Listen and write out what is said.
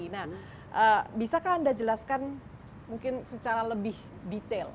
nah bisakah anda jelaskan mungkin secara lebih detail